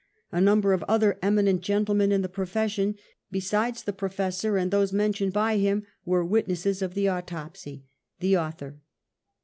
A number of other eminent gentlemen in the profession, besides the professor, and those mentioned by him, were witnesses of the autopsy. — The Author.